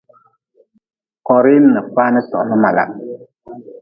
Korhi n kpani tohli malah.